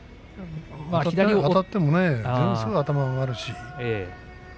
あたってもね、頭も上がるし。